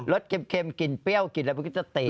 สเค็มกลิ่นเปรี้ยวกลิ่นอะไรมันก็จะตี